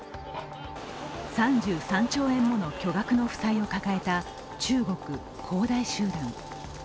３３兆円もの巨額の負債を抱えた中国・恒大集団。